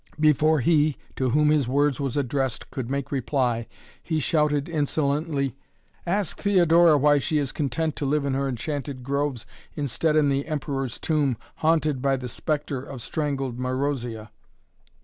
Before he, to whom his words was addressed could make reply, he shouted insolently: "Ask Theodora why she is content to live in her enchanted groves instead in the Emperor's Tomb, haunted by the spectre of strangled Marozia!"